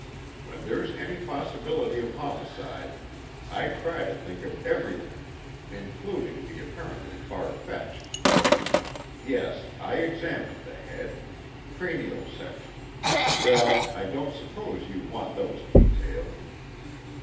When there's any possibility of homicide, I try to think of everything, including the apparently far fetched. Yes, I examined the head: cranial section well, I don't suppose you want those details.